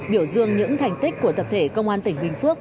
biểu dương những thành tích của tập thể công an tỉnh bình phước